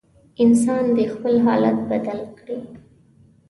انسان دې خپل حالت بدل کړي.